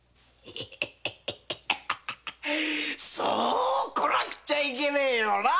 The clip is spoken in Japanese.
そうこなくちゃいけねぇよな。